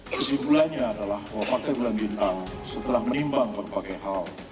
kesimpulannya adalah bahwa partai bulan bintang setelah menimbang berbagai hal